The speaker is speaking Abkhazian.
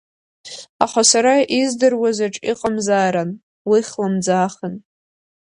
Аха сара издыруазаҿ иҟамзаарын, уи хлымӡаахын…